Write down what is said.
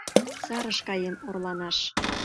Сарыш каен орланаш.